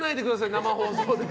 生放送で。